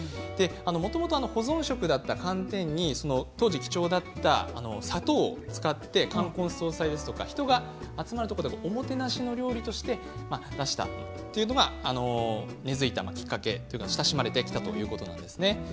もともと保存食だった寒天に当時、貴重だった砂糖を使って冠婚葬祭ですとか人が集まる時のおもてなし料理として出したということが根づいたきっかけ親しまれたきっかけということなんです。